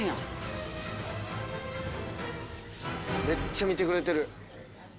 めっちゃ見てくれてる。